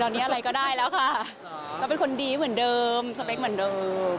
ตอนนี้อะไรก็ได้แล้วค่ะก็เป็นคนดีเหมือนเดิมสเปคเหมือนเดิม